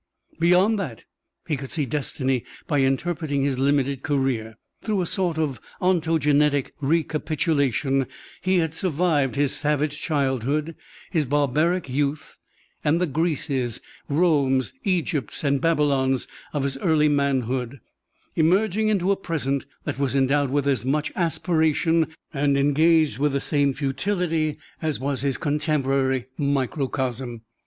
Beyond that, he could see destiny by interpreting his limited career. Through a sort of ontogenetic recapitulation he had survived his savage childhood, his barbaric youth, and the Greeces, Romes, Egypts, and Babylons of his early manhood, emerging into a present that was endowed with as much aspiration and engaged with the same futility as was his contemporary microcosm.